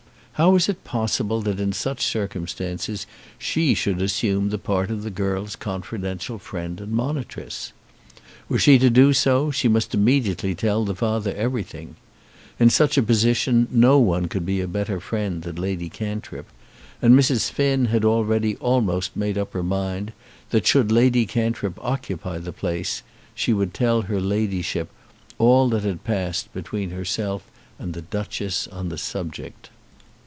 How was it possible that in such circumstances she should assume the part of the girl's confidential friend and monitress? Were she to do so she must immediately tell the father everything. In such a position no one could be a better friend than Lady Cantrip, and Mrs. Finn had already almost made up her mind that, should Lady Cantrip occupy the place, she would tell her ladyship all that had passed between herself and the Duchess on the subject.